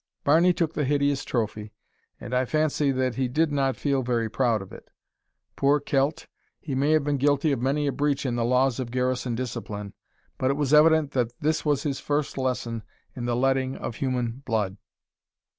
Barney took the hideous trophy, and I fancy that he did not feel very proud of it. Poor Celt! he may have been guilty of many a breach in the laws of garrison discipline, but it was evident that this was his first lesson in the letting of human blood.